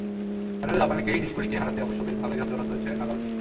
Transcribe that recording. ফাইনালে জাপানের কেই নিশিকোরিকে হারাতে অবশ্য বেশ ভালোই ঘাম ঝরাতে হয়েছে নাদালকে।